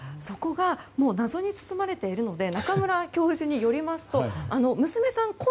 そこが、もう謎に包まれているので中村教授によりますと娘さん